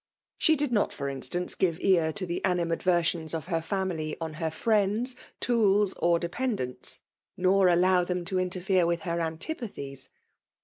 She did not, for instance, give ear to the animadversions of her family on hat friends, tools, or dependents, nor allow tfiem to interfere with her antipathies.